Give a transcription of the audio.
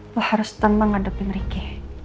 lo harus tenang ngadepin rike